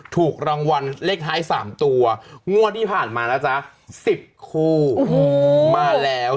ถูกรางวัลเลขท้าย๓ตัวงวดที่ผ่านมานะจ๊ะ๑๐คู่มาแล้ว